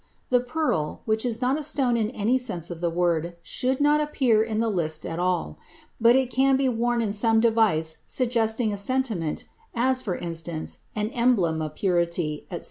The pearl, which is not a stone in any sense of the word, should not appear in the list at all; but it can be worn in some device suggesting a sentiment, as, for instance, an emblem of purity, etc.